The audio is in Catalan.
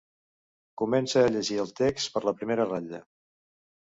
Comença a llegir el text per la primera ratlla.